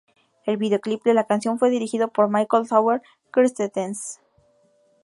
El videoclip de la canción fue dirigido por Michael Sauer Christensen.